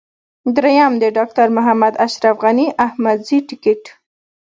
درېم: د ډاکټر محمد اشرف غني احمدزي ټکټ.